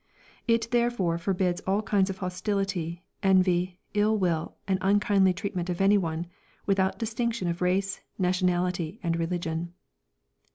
It, therefore, forbids all kinds of hostility, envy, ill will, and unkindly treatment of any one, without distinction of race, nationality and religion."